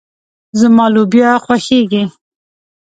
زما لوبيا خوښيږي.